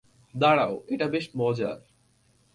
দাঁড়াও, এটা বেশ মজার।